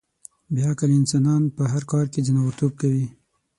بې عقل انسانان په هر کار کې ځناورتوب کوي.